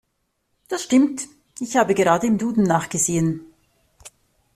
Das stimmt, ich habe gerade im Duden nachgesehen.